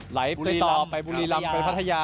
ไหลไปต่อไปบุรีรำไปพัทยา